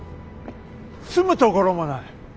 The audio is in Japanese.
住むところもない。